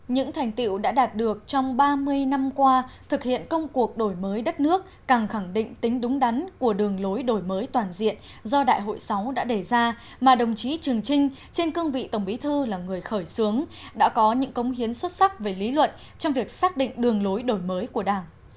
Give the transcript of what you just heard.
những thành tiệu đã đạt được trong ba mươi năm qua thực hiện công cuộc đổi mới đất nước càng khẳng định tính đúng đắn của đường lối đổi mới toàn diện do đại hội sáu đã đề ra mà đồng chí trường trinh trên cương vị tổng bí thư là người khởi xướng đã có những cống hiến xuất sắc về lý luận trong việc xác định đường lối đổi mới của đảng